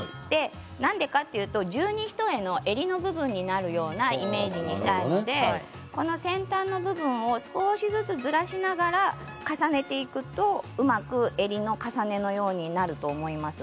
何でかというと、十二ひとえの襟の部分になるようなイメージにしたいので先端の部分を少しずつずらしながら重ねていくと襟の重ねのようになると思います。